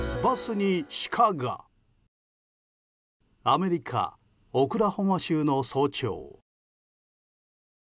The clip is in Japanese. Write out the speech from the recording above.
アメリカ・オクラホマ州の早朝。